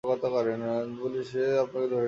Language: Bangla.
পুলিশ এসে আপনাকে ধরে নিয়ে যাবে।